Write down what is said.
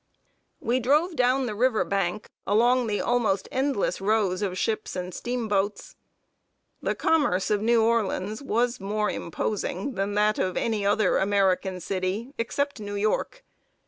We drove down the river bank along the almost endless rows of ships and steamboats. The commerce of New Orleans, was more imposing than that of any other American city except New York.